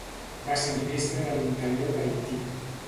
Va ser ministre de l'interior d'Haití.